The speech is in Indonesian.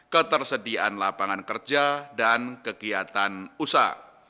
ketersediaan lapangan kerja dan kegiatan usaha